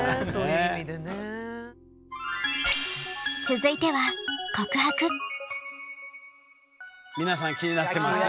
続いては皆さん気になってます。